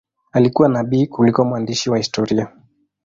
Alikuwa nabii kuliko mwandishi wa historia.